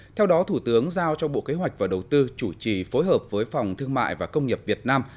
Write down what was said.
theo đó thủ tướng giao cho bộ kế hoạch và đầu tư chủ trì phối hợp với phòng thương mại và công nghiệp việt nam